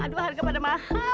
aduh harga pada mahal